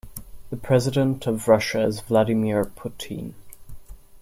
The president of Russia is Vladimir Putin.